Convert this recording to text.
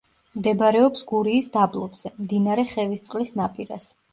მდებარეობს გურიის დაბლობზე, მდინარე ხევისწყლის ნაპირას.